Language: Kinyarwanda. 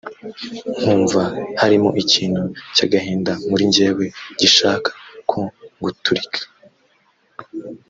nkumva harimo ikintu cy’agahinda muri njyewe gishaka nko guturika